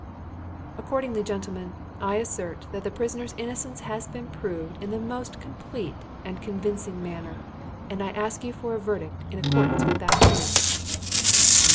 "Accordingly, gentlemen, I assert that the prisoner's innocence has been proved in the most complete and convincing manner, and I ask you for a verdict in accordance with that proof."